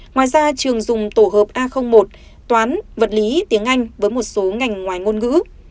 ngoài ra trường dùng tổ hợp a một toán vật lý tiếng anh với một số ngành ngoài ngôn ngữ